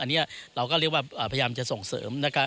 เราก็พยายามจะส่งเสริม